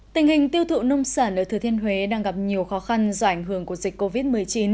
tình hình tiêu thụ nông sản ở thừa thiên huế đang gặp nhiều khó khăn do ảnh hưởng của dịch covid một mươi chín